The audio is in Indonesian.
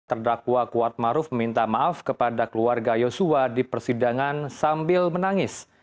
terdakwa kuatmaruf meminta maaf kepada keluarga yosua di persidangan sambil menangis